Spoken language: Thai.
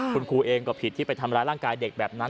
คุณครูเองก็ผิดที่ไปทำร้ายร่างกายเด็กแบบนั้น